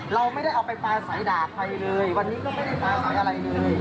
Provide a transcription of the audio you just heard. เราไม่ได้เอาไปปลาสายดากใครเลย